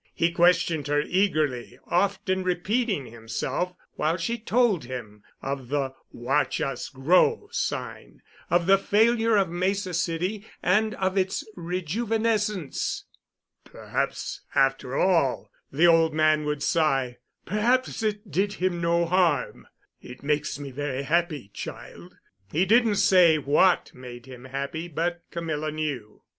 He questioned her eagerly, often repeating himself, while she told him of the "Watch Us Grow" sign, of the failure of Mesa City, and of its rejuvenescence. "Perhaps, after all," the old man would sigh, "perhaps it did him no harm. It makes me very happy, child." He didn't say what made him happy, but Camilla knew.